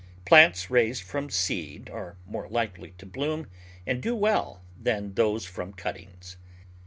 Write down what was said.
Plants raised from seed are more likely to bloom and do well than those from cuttings.